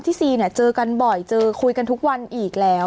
ซีเนี่ยเจอกันบ่อยเจอคุยกันทุกวันอีกแล้ว